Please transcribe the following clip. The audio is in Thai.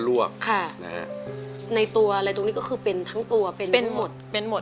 ลวกค่ะในตัวอะไรตรงนี้ก็คือเป็นทั้งตัวเป็นหมดเป็นหมดเลยค่ะ